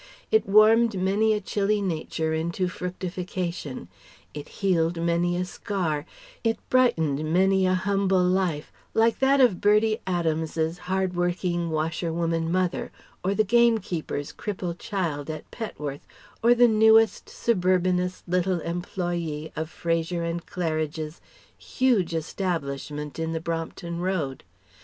It warmed many a chilly nature into fructification; it healed many a scar, it brightened many a humble life, like that of Bertie Adams's hard working, washerwoman mother, or the game keeper's crippled child at Petworth or the newest, suburbanest little employé of Fraser and Claridge's huge establishment in the Brompton Road.